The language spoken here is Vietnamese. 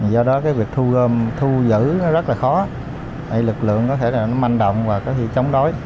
do đó việc thu giữ rất là khó lực lượng có thể là manh động và có thể chống đối